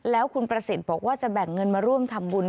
แล้วคุณประสิทธิ์บอกว่าจะแบ่งเงินมาร่วมทำบุญ